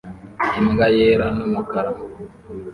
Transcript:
Imbwa yera n'umukara